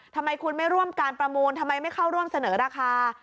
ทำไมคุณไม่ร่วมการประมูลทำไมไม่เข้าร่วมเสนอราคา